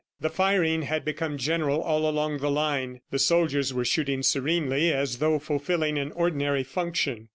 The firing had become general all along the line. The soldiers were shooting serenely, as though fulfilling an ordinary function.